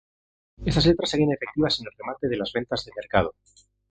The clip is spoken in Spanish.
Estas letras serían efectivas con el remate de las rentas del Mercado.